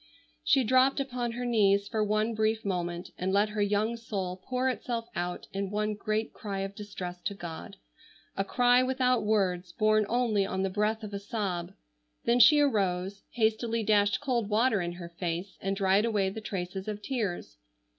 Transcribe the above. She dropped upon her knees for one brief moment and let her young soul pour itself out in one great cry of distress to God, a cry without words borne only on the breath of a sob. Then she arose, hastily dashed cold water in her face, and dried away the traces of tears.